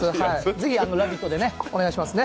次「ラヴィット！」でお願いしますね。